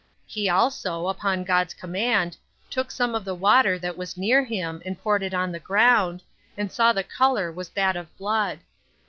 He also, upon God's command, took some of the water that was near him, and poured it upon the ground, and saw the color was that of blood.